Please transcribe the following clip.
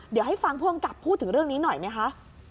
เดี๋ยวให้ฟังผู้กำกับพูดถึงเรื่องนี้หน่อยไหมคะ